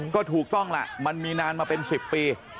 ก็ถูกต้องล่ะมันมีนานมาเป็น๑๐ปี